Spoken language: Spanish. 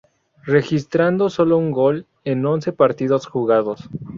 Registrando solo un gol en once partidos jugados.